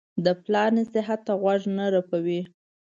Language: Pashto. د پلار نصیحت ته غوږ نه رپوي.